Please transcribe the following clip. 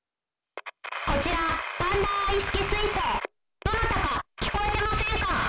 「こちらパンダーイスキ彗星どなたか聞こえてませんか？」。